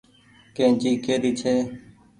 ڪيئنچي ڪي ري ڇي ۔